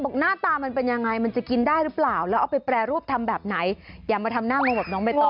ไปค่ะมองขึ้นไปนะจ้ะบนยอดไม้